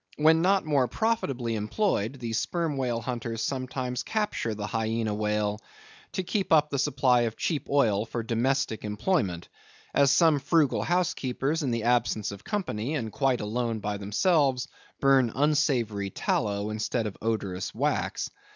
When not more profitably employed, the sperm whale hunters sometimes capture the Hyena whale, to keep up the supply of cheap oil for domestic employment—as some frugal housekeepers, in the absence of company, and quite alone by themselves, burn unsavory tallow instead of odorous wax.